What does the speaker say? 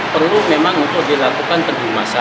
perlu memang untuk dilakukan pendidik masa